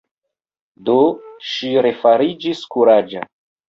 Do ŝi refariĝis kuraĝa.